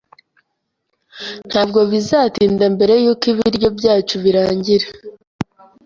Ntabwo bizatinda mbere yuko ibiryo byacu birangira.